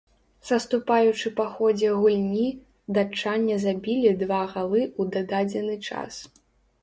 Саступаючы па ходзе гульні, датчане забілі два галы ў дададзены час.